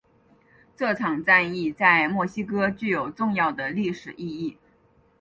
这场战役在墨西哥具有重要的历史意义。